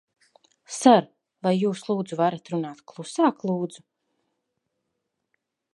Ser, vai jūs, lūdzu, varat runāt klusāk, lūdzu?